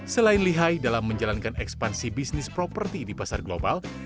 selain lihai dalam menjalankan ekspansi bisnis properti di pasar global